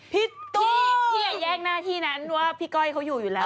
พี่พี่แยกหน้าที่นั้นว่าพี่ก้อยเขาอยู่อยู่แล้ว